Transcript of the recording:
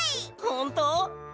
ほんと？